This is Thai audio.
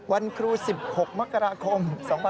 วันครู๑๖มกราคม